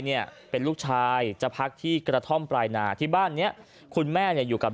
เนี่ยเป็นลูกชายจะพักที่กระท่อมปลายนาที่บ้านเนี้ยคุณแม่เนี่ยอยู่กับ